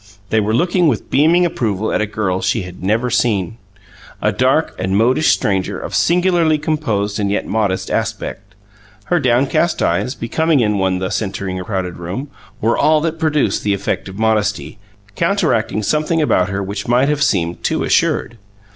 They were looking with beaming approval at a girl she had never seen; a dark and modish stranger of singularly composed and yet modest aspect. Her downcast eyes, becoming in one thus entering a crowded room, were all that produced the effect of modesty, counteracting something about her which might have seemed too assured.